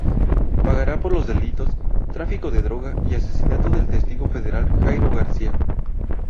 Pagará por dos delitos: tráfico de droga y asesinato del testigo federal Jairo García.